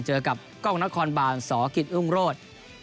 เจอกับกล้องนครบานสกิจอุ้งโรศ